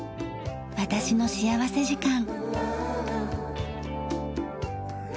『私の幸福時間』。